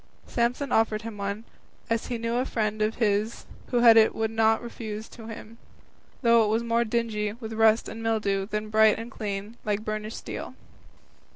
Samson offered him one, as he knew a friend of his who had it would not refuse it to him, though it was more dingy with rust and mildew than bright and clean like burnished steel.